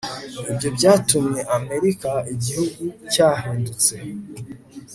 ibyo byatumye amerika igihugu cyahindutse